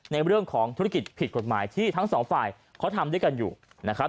ในเรื่องของธุรกิจผิดกฎหมายที่ทั้งสองฝ่ายเขาทำด้วยกันอยู่นะครับ